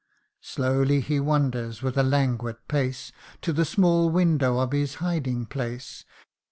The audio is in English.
Slowly he wanders, with a languid pace, To the small window of his hiding place ; CANTO III.